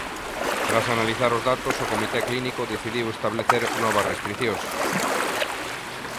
Tras analizar os datos, o comité clínico decidiu establecer novas restricións.